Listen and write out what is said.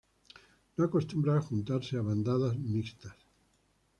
No acostumbra juntarse a bandada mixtas.